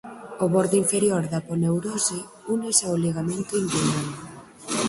O bordo inferior da aponeurose únese ao ligamento inguinal.